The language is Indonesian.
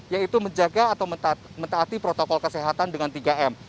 yaitu menjaga atau mentaati protokol kesehatan dengan tiga m